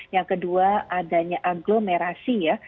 yang kedua adanya agglomerasi ya